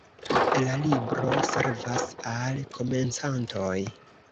La libro servas al komencantoj.